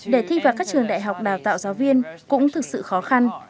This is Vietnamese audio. để thi vào các trường đại học đào tạo giáo viên cũng thực sự khó khăn